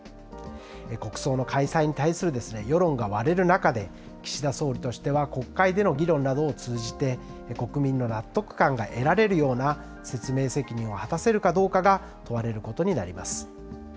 国葬の開催に対する世論が割れる中で、岸田総理としては国会での議論などを通じて、国民の納得感が得られるような説明責任を果たせるかどうかが問われることになります。